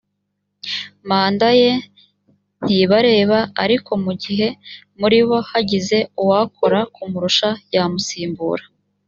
mandaye ntibareba , ariko mugihe muribo hagize uwakora kumurusha yamusimbura